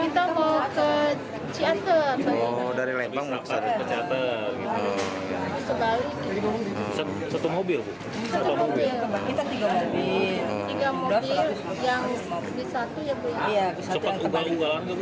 kita kan di belakangan jadi kita pas lihat sudah terbalik